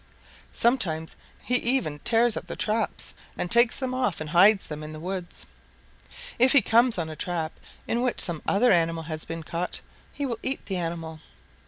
Sometimes he even tears up the traps and takes them off and hides them in the woods. If he comes on a trap in which some other animal has been caught, he will eat the animal.